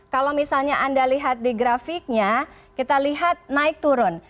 kalau misalnya anda lihat di grafiknya kita lihat naik turun